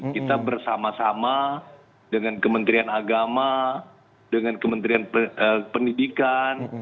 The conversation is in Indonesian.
kita bersama sama dengan kementerian agama dengan kementerian pendidikan